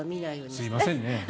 すいませんね。